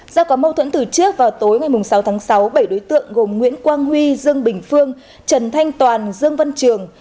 do có mâu thuẫn từ trước vào tối ngày sáu tháng sáu bảy đối tượng gồm nguyễn quang huy dương bình phương trần thanh toàn dương văn trường